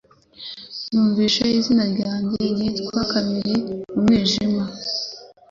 Numvise izina ryanjye ryitwa kabiri mu mwijima